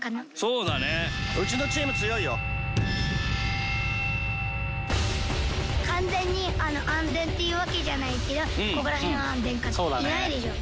うちのチーム強いよ完全に安全っていうわけじゃないけどここら辺は安全かないないでしょ